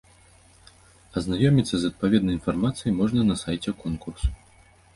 Азнаёміцца з адпаведнай інфармацыяй можна на сайце конкурсу.